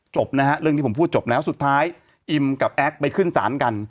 จบนะฮะเรื่องที่ผมพูดจบแล้วสุดท้ายอิมกับแอ๊กไปขึ้นศาลกัน